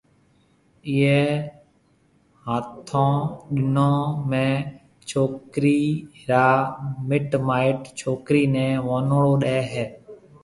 ايئيَ ھاتون ڏنون ۾ ڇوڪرِي را مِٽ مائيٽ ڇوڪرِي نيَ ونوݪو ڏَي ھيََََ